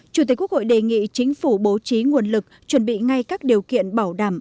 chủ tịch quốc hội đề nghị chính phủ bố trí nguồn lực chuẩn bị ngay các điều kiện bảo đảm